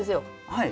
はい。